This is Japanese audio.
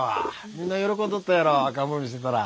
みんな喜んどったやろ赤ん坊見せたら。